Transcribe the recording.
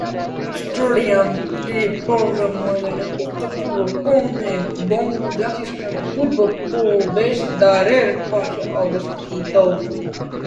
স্টেডিয়ামটি পল্টন ময়দানের উত্তর-পূর্ব কোনে বঙ্গবন্ধু জাতীয় স্টেডিয়ামের পূর্ব প্রবেশদ্বারের পাশে অবস্থিত।